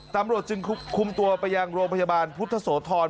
ตำรวจจึงคุมตัวไปยังโรงพยาบาลพุทธโสธร